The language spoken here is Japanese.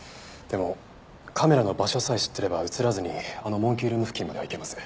でもカメラの場所さえ知ってれば映らずにあのモンキールーム付近までは行けます。